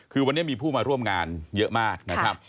คือวันนี้มีผู้มาร่วมงานเยอะมากนะครับ